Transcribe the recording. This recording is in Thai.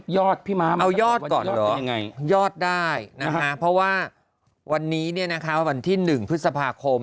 ยอดเป็นยังไงยอดได้นะคะเพราะว่าวันนี้เนี้ยนะคะวันที่หนึ่งพฤษภาคม